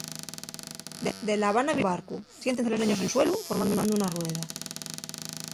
De L'Habana vieno un barcu. Siéntense los neños en suelu formando una rueda.